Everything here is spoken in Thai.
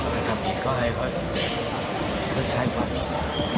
กระทำผิดก็ให้เขาชดใช้ความผิด